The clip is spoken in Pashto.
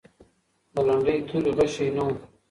د لنډۍ توري غشی نه و.